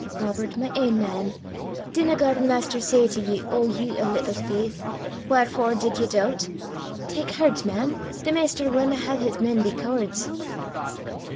Robert, my ain man! dinna gar the Maister say to you, O ye o' little faith! Wharfor did ye doobt? Tak hert, man; the Maister wadna hae his men be cooards."